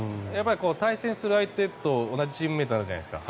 対戦する相手と同じチームメートになるじゃないですか。